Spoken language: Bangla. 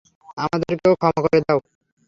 আমাদেরকে ও তাকে ক্ষমা করে দাও।